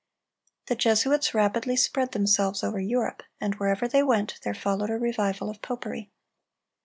The Jesuits rapidly spread themselves over Europe, and wherever they went, there followed a revival of popery.